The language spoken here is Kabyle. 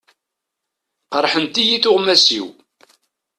Qerḥent-iyi tuɣmas-iw.